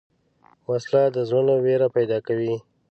وسله د زړونو وېره پیدا کوي